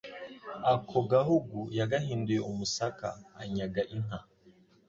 ako gahugu yagahinduye umusaka, anyaga inka,